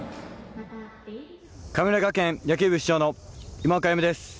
神村学園野球部主将の今岡歩夢です。